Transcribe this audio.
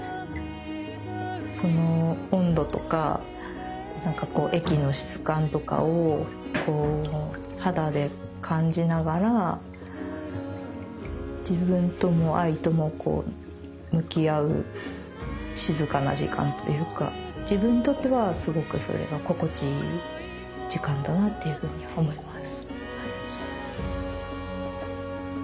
その温度とか何かこう液の質感とかを肌で感じながら自分とも藍とも向き合う静かな時間というか自分にとってはすごくそれが心地いい時間だなっていうふうに思います。